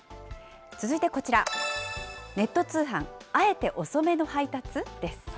続いてこちら、ネット通販、あえて遅めの配達？です。